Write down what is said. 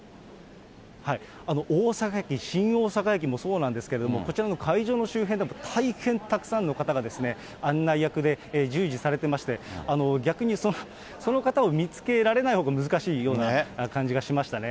大阪駅、新大阪駅もそうなんですけども、こちらの会場の周辺でも大変たくさんの方が案内役で従事されていまして、逆にその方を見つけられないほうが難しいような感じがしましたね。